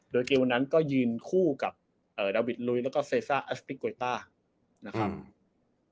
โดยเกมวันนั้นก็ยืนคู่กับดาวิทลุยแล้วก็เซซ่าแอสติกโกยต้านะครับ